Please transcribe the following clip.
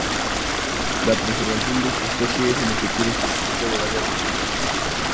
La preservación de esta especie es el objetivo específico del área protegida.